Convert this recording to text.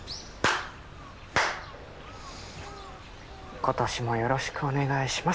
今年もよろしくお願いします。